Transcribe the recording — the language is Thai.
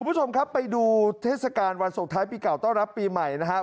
คุณผู้ชมครับไปดูเทศกาลวันส่งท้ายปีเก่าต้อนรับปีใหม่นะครับ